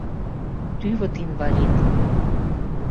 Тӱвыт инвалид!